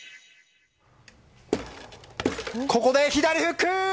ここで左フック！